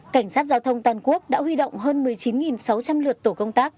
cảnh sát giao thông toàn quốc đã huy động hơn một mươi chín sáu trăm linh lượt tổ công tác